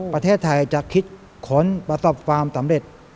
ประเทศไทยจะคิดค้นประสบความสำเร็จ